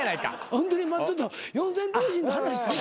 ホントにちょっと四千頭身と話。